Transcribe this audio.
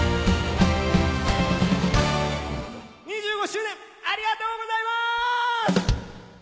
２５周年ありがとうございまーす！